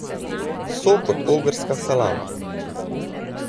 So kot ogrska salama.